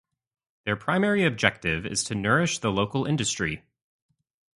Their primary objective is to nourish the local industry.